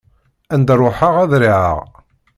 Anda ruḥeɣ, ad riɛeɣ.